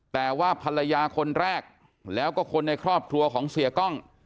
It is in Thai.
แต่ว่าภรรยาคนแรกแล้วก็คนในครอบครัวของเสียกล้อง